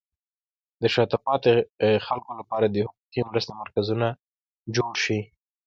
د شاته پاتې خلکو لپاره د حقوقي مرستې مرکزونه جوړ شي.